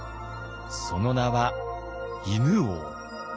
その名は犬王。